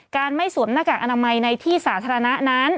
ไม่สวมหน้ากากอนามัยในที่สาธารณะนั้น